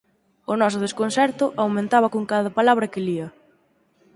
O noso desconcerto aumentaba con cada palabra que lía.